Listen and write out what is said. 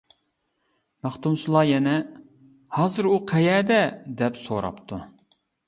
مەختۇمسۇلا يەنە:-ھازىر ئۇ قەيەردە؟ -دەپ سوراپتۇ.